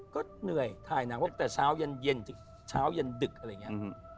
ก็เหนื่อยถ่ายหนังจากเช้ายังหยั่นเดิก